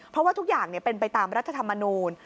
เพราะว่าทุกอย่างเป็นไปตามรัฐธรรมนูล